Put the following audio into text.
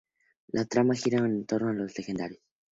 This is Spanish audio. La trama girará en torno a los legendarios.